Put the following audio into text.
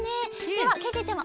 ではけけちゃま。